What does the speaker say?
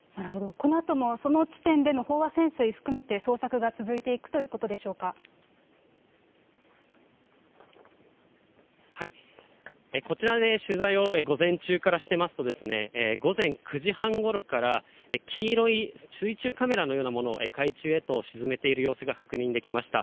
このあともその地点での飽和潜水含めて捜索が続いていくというここちらで取材を午前中からしてますと、午前９時半ごろから、黄色い水中カメラのようなものを海中へと沈めている様子が確認できました。